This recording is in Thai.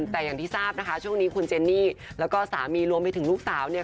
แต่ที่ทราบคุณเจนนี่และสามีรวมไปถึงลูกสาว